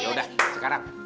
ya udah sekarang